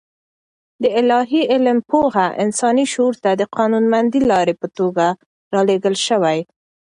د الاهي علم پوهه انساني شعور ته د قانونمندې لارې په توګه رالېږل شوې.